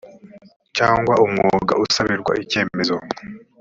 cyangwa umwuga usabirwa icyemezo